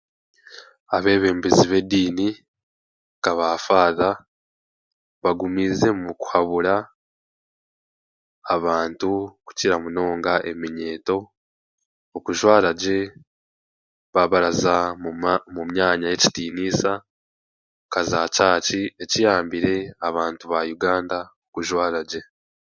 Abeebembezi b'ediini nk'abafaaza, bagumiizemu kuhabura abantu, kukira munonga eminyeeto, okujwaragye baaba baraza mu ma myanya y'ekitiiniisa, nk'aza kyaki, ekiyambire abantu ba Uganda kujwaragye.